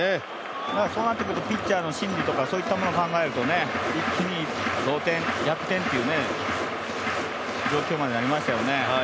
そうなってくるとピッチャーの心理とか、そういったものを考えると一気に同点、逆転っていう状況になってきますよね。